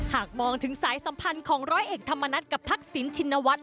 หากมองถึงสายสัมพันธ์ของร้อยเอกธรรมนัฐกับทักษิณชินวัฒน